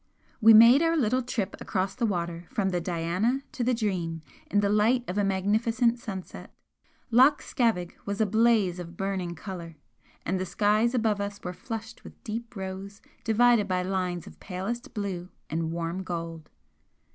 We made our little trip across the water from the 'Diana' to the 'Dream' in the light of a magnificent sunset. Loch Scavaig was a blaze of burning colour, and the skies above us were flushed with deep rose divided by lines of palest blue and warm gold.